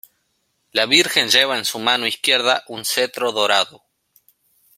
La Virgen lleva en su mano izquierda un cetro dorado.